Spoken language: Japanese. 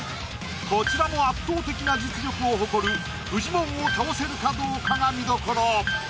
こちらも圧倒的な実力を誇るフジモンを倒せるかどうかが見どころ。